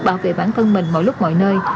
bảo vệ bản thân mình mọi lúc mọi nơi